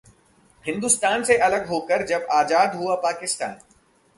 ... हिंदुस्तान से अलग होकर जब आजाद हुआ पाकिस्तान